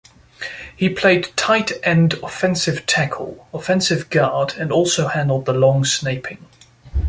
He played tight end, offensive tackle, offensive guard and also handled the long-snaping.